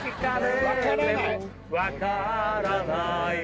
「わからない」